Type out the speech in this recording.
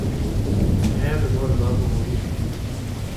Graet o doa al labour o-unan.